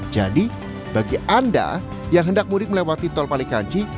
jadi bagi anda yang hendak mudik melewati tol palikanci